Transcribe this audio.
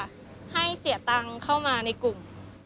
ให้เสียตังค์เข้ามาในกลุ่ม